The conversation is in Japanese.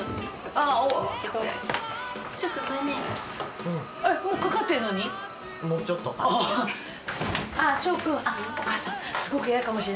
あっお母さん。